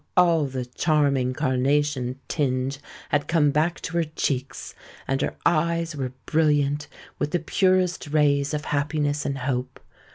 all the charming carnation tinge had come back to her cheeks; and her eyes were brilliant with the purest rays of happiness and hope.